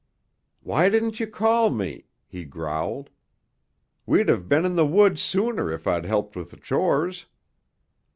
"Why didn't you call me?" he growled. "We'd have been in the woods sooner if I'd helped with the chores."